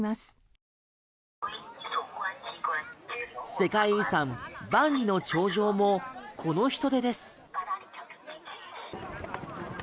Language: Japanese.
世界遺産・万里の長城もこの人出です。